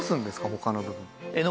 他の部分。